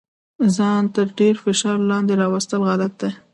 ځان تر ډیر فشار لاندې راوستل غلط دي.